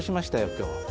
今日。